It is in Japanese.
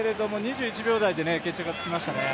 ２１秒台で決着がつきましたね。